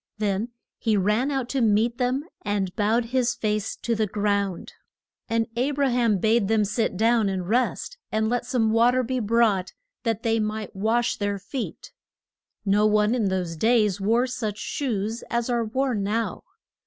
Then he ran out to meet them, and bowed his face to the ground. And A bra ham bade them sit down and rest, and let some wa ter be brought that they might wash their feet. No one in those days wore such shoes as are worn now.